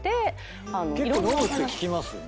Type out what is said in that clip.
結構飲むって聞きますよね。